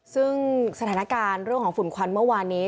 ซึ่งสถานการณ์เรื่องของฝุ่นควันเมื่อวานนี้